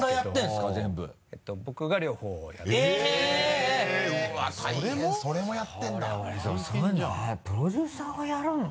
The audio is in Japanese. すごいねプロデューサーがやるの？